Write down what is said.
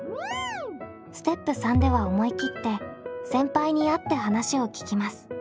ステップ３では思い切って先輩に会って話を聞きます。